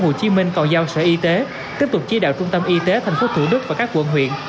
hồ chí minh còn giao sở y tế tiếp tục chia đạo trung tâm y tế thành phố thủ đức và các quận huyện